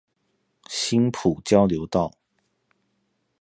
新埔交流道